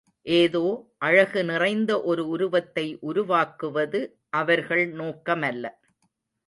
ஏதோ அழகு நிறைந்த ஒரு உருவத்தை உருவாக்குவது அவர்கள் நோக்கமல்ல.